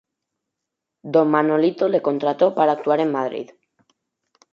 Don Manolito le contrató para actuar en Madrid.